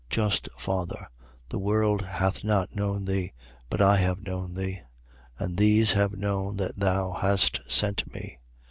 17:25. Just Father, the world hath not known thee: but I have known thee. And these have known that thou hast sent me.